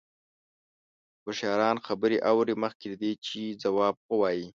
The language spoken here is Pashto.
هوښیاران خبرې اوري مخکې له دې چې ځواب ووايي.